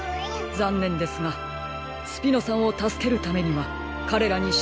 ざんねんですがスピノさんをたすけるためにはかれらにしたがうしかなさそうです。